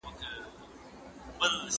د اسلام دین د نوي نسل دپاره مشال دی.